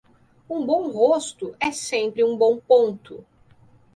Um bom rosto, é sempre um bom ponto.